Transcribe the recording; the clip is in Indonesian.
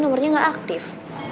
nomernya gak aktif